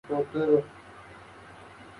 El estilo es punk-rock.